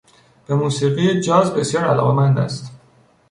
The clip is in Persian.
به موسیقی جاز بسیار علاقهمند است.